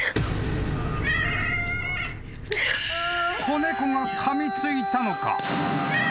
［子猫がかみついたのか？］